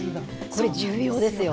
それ重要ですよ。